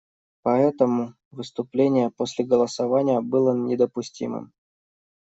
Поэтому выступление после голосования было недопустимым.